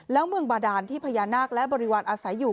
แล้วเมืองบาดานที่พญานาคและบริวารอาศัยอยู่